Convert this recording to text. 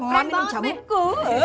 sekarang minum jamu ku